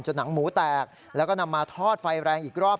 หนังหมูแตกแล้วก็นำมาทอดไฟแรงอีกรอบ